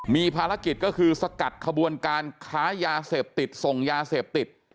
มีภารกิจก็คือสกัดขบวนการค้ายาเสพติดส่งยาเสพติด